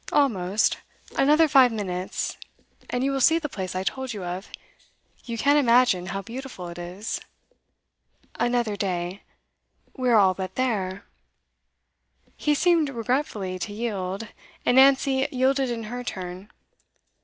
'Almost. Another five minutes, and you will see the place I told you of. You can't imagine how beautiful it is.' 'Another day ' 'We are all but there ' He seemed regretfully to yield; and Nancy yielded in her turn.